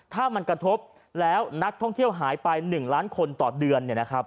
ถ้ามันกระทบแล้วนักท่องเที่ยวหายไป๑ล้านคนต่อเดือน